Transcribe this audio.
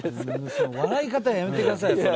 その笑い方やめてくださいよ